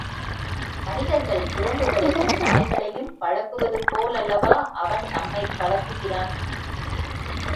மனிதர்கள் குரங்குகளையும், நாய்களையும் பழக்குவது போல் அல்லவா அவன் நம்மைப் பழக்குகிறான்?